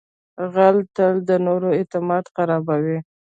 غل تل د نورو اعتماد خرابوي